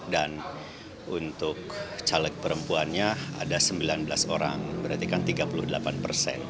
dan untuk caleg perempuannya ada sembilan belas orang berarti kan tiga puluh delapan persen